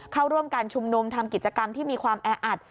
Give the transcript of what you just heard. เข้าร่วมการชุมนุมทำกิจกรรมที่มีความแออัด